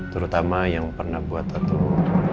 terutama yang pernah buat atau